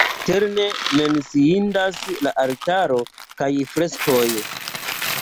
Interne menciindas la altaro kaj la freskoj.